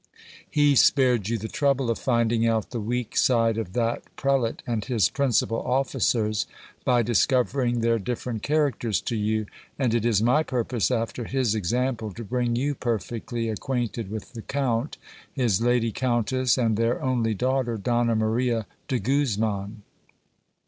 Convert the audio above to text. He spared you the trouble of finding out the weak side of that pre late and his principal officers, by discovering their different characters to you ; and it is my purpose, after his example, to bring you perfectly acquainted with the count, his lady countess, and their only daughter, Donna Maria de Guzman.